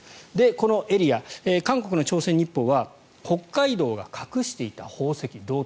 このエリア、韓国の朝鮮日報は北海道が隠していた宝石、道東。